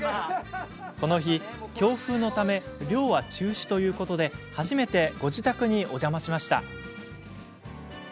この日、強風のため漁は中止ということで初めて、ご自宅にお邪魔しました。